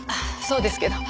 そうですけど。